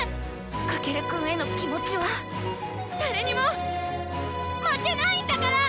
翔くんへの気持ちは誰にも負けないんだから！」。